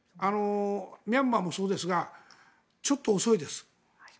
ミャンマーもそうですがちょっと遅いです。